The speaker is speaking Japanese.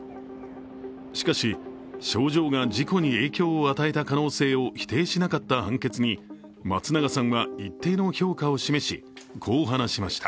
しかし、症状が事故に影響を与えた可能性を否定しなかった判決に松永さんは一定の評価を示しこう話しました。